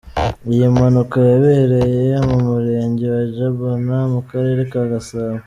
Iyi mpanuka yabereye mu Murenge wa Jabana mu Karere ka Gasabo.